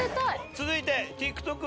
続いてＴｉｋＴｏｋ